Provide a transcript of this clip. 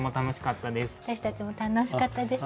私たちも楽しかったです。